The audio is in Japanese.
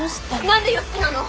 何で良樹なの！？